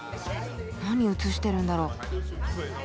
何写してるんだろう？